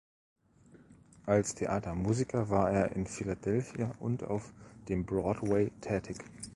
Als Theatermusiker war er in Philadelphia und auf dem Broadway tätig.